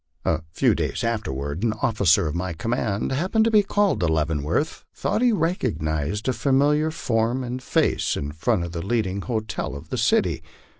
A few days afterward an officer of my com mand, happening to be called to Leavenworth, thought he recognized a fa miliar form and face in front of the leading hotel of the city.